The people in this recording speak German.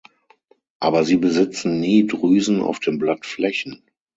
Aber sie besitzen nie Drüsen auf den Blattflächen.